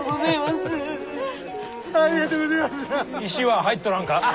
石は入っとらんか？